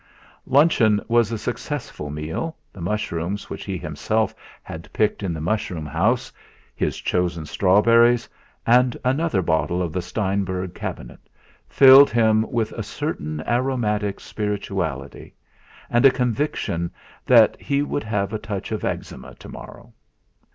Luncheon was a successful meal, the mushrooms which he himself had picked in the mushroom house, his chosen strawberries, and another bottle of the Steinberg cabinet filled him with a certain aromatic spirituality, and a conviction that he would have a touch of eczema to morrow.